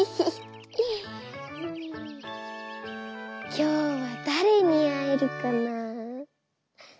「きょうはだれにあえるかな」。